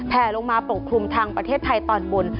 แผลลงมาปกคลุมทางประเทศไทยตอนบน